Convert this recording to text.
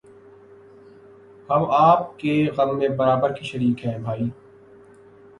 ہم آپ کے غم میں برابر کے شریک ہیں بھائی